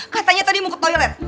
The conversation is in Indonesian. katanya tadi mau ke toilet